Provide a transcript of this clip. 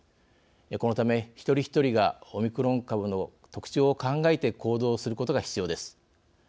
このため、一人一人がオミクロン株の特徴を考えて行動をすることが必要です。